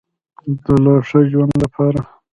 د لا ښه ژوند لپاره.